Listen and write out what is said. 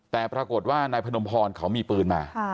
แต่ปรากฏว่านายพนมพรเขามีปืนมา